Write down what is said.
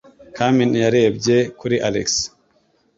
Carmen yarebye kuri Alex.